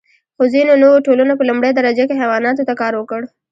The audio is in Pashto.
خو ځینو نوو ټولنو په لومړۍ درجه کې حیواناتو ته کار ورکړ.